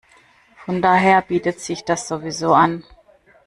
Von daher bietet sich das sowieso an.